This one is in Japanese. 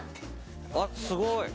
すごい！